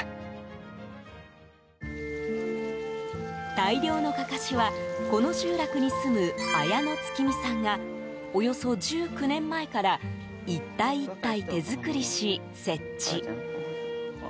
大量のかかしはこの集落に住む綾野月美さんがおよそ１９年前から１体１体手作りし、設置。